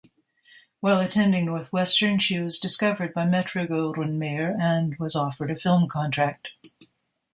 While attending Northwestern she was discovered by Metro-Goldwyn-Mayer and was offered a film contract.